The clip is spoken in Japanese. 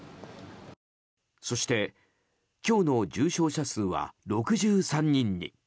そして今日の重症者数は６３人に。